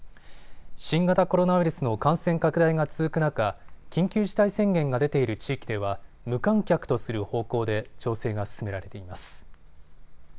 新型コロナウイルスの感染拡大が続く中、緊急事態宣言が出ている地域では無観客とする方向で調整が進められています。